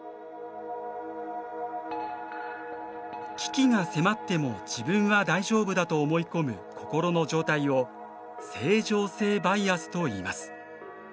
危機が迫っても自分は大丈夫だと思い込む心の状態を「正常性バイアス」といいます。